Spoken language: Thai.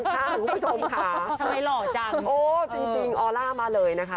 คุณผู้ชมค่ะทำไมหล่อจังโอ้จริงออล่ามาเลยนะคะ